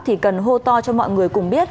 thì cần hô to cho mọi người cùng biết